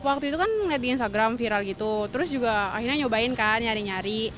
waktu itu kan lihat di instagram viral gitu terus juga akhirnya nyobain kan nyari nyari